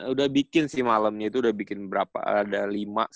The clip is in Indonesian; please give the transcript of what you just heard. udah bikin sih malemnya itu udah bikin berapa ada lima